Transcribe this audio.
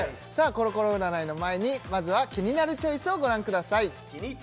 コロコロ占いの前にまずはキニナルチョイスをご覧ください